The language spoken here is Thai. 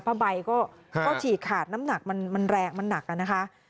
ผ้าใบก็ฉีกขาดน้ำหนักมันแรงมันหนักอะนะคะ